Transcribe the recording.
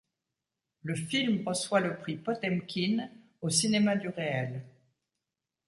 Le film reçoit le prix Potemkine au Cinéma du réel.